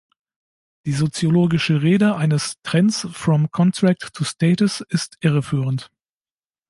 Die soziologische Rede eines Trends "from contract to status" ist irreführend.